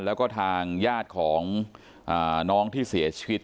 แล้วก็ทางญาติของน้องที่เสียชีวิต